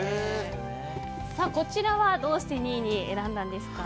こちらは、どうして２位に選んだんですか？